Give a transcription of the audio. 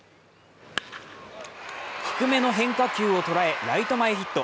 低めの変化球を捉え、ライト前ヒット。